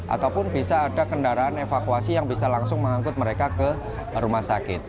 ataupun bisa ada kendaraan evakuasi yang bisa langsung mengangkut mereka ke rumah sakit